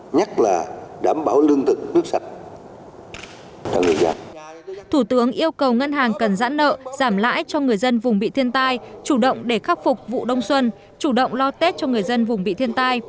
nhất là đảm bảo lương thực nước sạch cho người dân